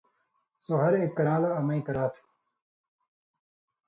سو ہر ایک کران٘لہ امَیں کرا تُھو